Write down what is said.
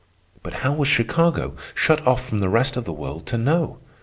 But how was Chicago, shut off from the rest of the world, to know?